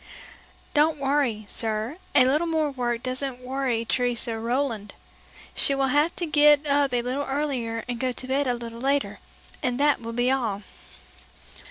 "Don't worry, sir, a little more work doesn't worry Teresa Rouland. She will have to get up a little earlier and go to bed a little later, and that will be all."